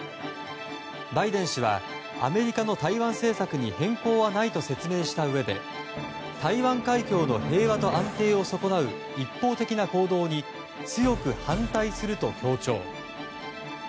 バイデン氏はアメリカの台湾政策に変更はないと説明したうえで台湾海峡の平和と安定を損なう一方的な行動に強く反対すると強調。